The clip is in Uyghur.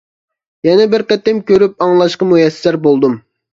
يەنە بىر قېتىم كۆرۈپ ئاڭلاشقا مۇيەسسەر بولدۇم.